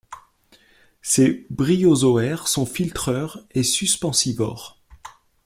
Ces bryozoaires sont filtreurs et suspensivores.